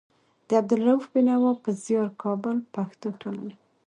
د عبدالروف بېنوا په زيار. کابل: پښتو ټولنه